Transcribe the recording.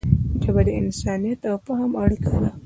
ژبه د انسانیت او فهم اړیکه ده